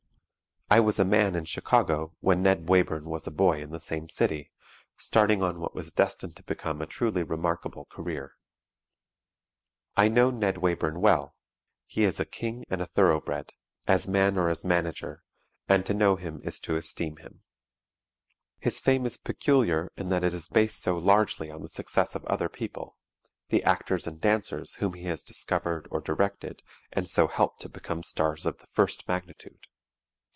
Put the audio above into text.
I was a man in Chicago when Ned Wayburn was a boy in the same city, starting on what was destined to become a truly remarkable career. I know Ned Wayburn well. He is a king and a thoroughbred, as man or as manager, and to know him is to esteem him. [Illustration: CINDERELLA] His fame is peculiar in that it is based so largely on the success of other people the actors and dancers whom he has discovered or directed and so helped to become stars of the first magnitude.